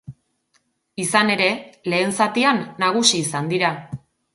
Izan ere, lehen zatian nagusi izan dira.